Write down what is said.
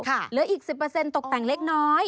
เหลืออีก๑๐ตกแต่งเล็กน้อย